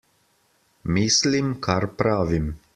Mislim, kar pravim.